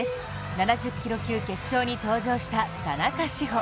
７０キロ級決勝に登場した、田中志歩。